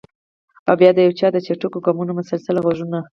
او بیا د یو چا د چټکو ګامونو مسلسل غږونه!